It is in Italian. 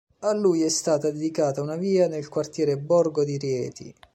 A lui è stata dedicata una via nel quartiere Borgo di Rieti.